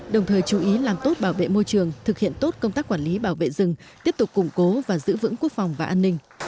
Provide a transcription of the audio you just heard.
đồng thời chú ý làm tốt bảo vệ môi trường thực hiện tốt công tác quản lý bảo vệ rừng tiếp tục củng cố và giữ vững quốc phòng và an ninh